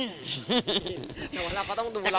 แต่ว่าเราก็ต้องดูเรา